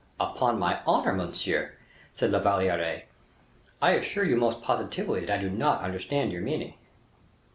"Upon my honor, monsieur," said La Valliere, "I assure you most positively I do not understand your meaning."